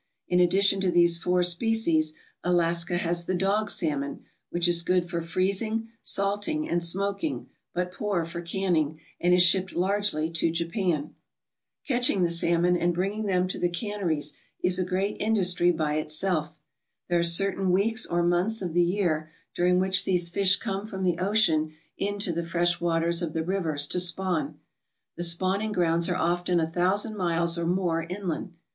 In addition to these four species Alaska has the dog salmon, which is good for freezing salting, and smofetfng, but poor for canning, and is shipped largely to Jqffta, Catching the salmon arid bringing tfewtt to the canneries is a great industry fry ftsdf , Thfer* are <iertain weeks or ALASKA'S GOLDEN FISHERIES months of the year during which these fish come from the ocean into the fresh waters of the rivers to spawn. The spawning grounds are often a thousand miles or more inland.